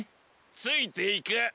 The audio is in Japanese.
ついていく。